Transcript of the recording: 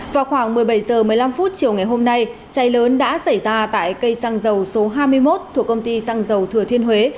vào khoảng một mươi bảy h một mươi năm chiều ngày hôm nay cháy lớn đã xảy ra tại cây xăng dầu số hai mươi một thuộc công ty xăng dầu thừa thiên huế